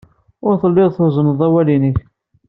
Ur telliḍ twezzneḍ awal-nnek.